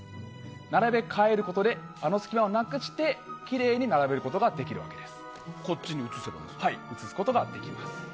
並べ替えることであの隙間をなくしてきれいに並べることができるわけです。